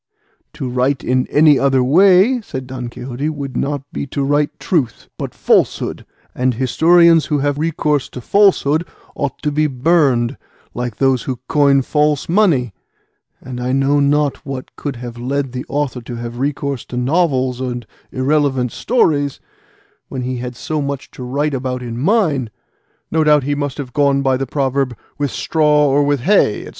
"To write in any other way," said Don Quixote, "would not be to write truth, but falsehood, and historians who have recourse to falsehood ought to be burned, like those who coin false money; and I know not what could have led the author to have recourse to novels and irrelevant stories, when he had so much to write about in mine; no doubt he must have gone by the proverb 'with straw or with hay, &c.